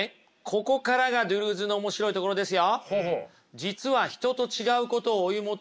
ここからがドゥルーズの面白いところですよ。